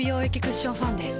クッションファンデ